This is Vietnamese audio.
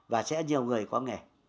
và sẽ nhiều người có nghề